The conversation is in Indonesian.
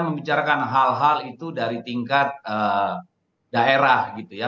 membicarakan hal hal itu dari tingkat daerah gitu ya